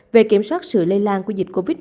về kiểm soát sự lây lan của dịch covid một mươi chín